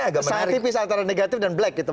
agak menarik sangat tipis antara negatif dan black